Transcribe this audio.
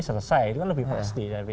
selesai itu lebih pasti